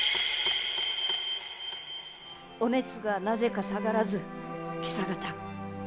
お熱がなぜか下がらず今朝方。